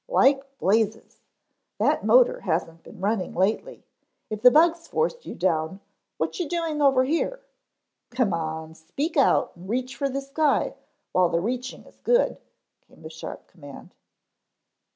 "Like blazes. That motor hasn't been running lately. If the bugs forced you down, what you doing over here? Come on, speak out, and reach for the sky, while the reaching is good," came the sharp command.